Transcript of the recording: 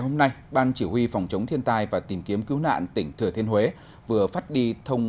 hôm nay ban chỉ huy phòng chống thiên tai và tìm kiếm cứu nạn tỉnh thừa thiên huế vừa phát đi thông